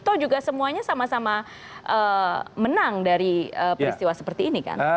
atau juga semuanya sama sama menang dari peristiwa seperti ini kan